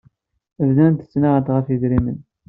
Bdant ttnaɣent ɣef yidrimen.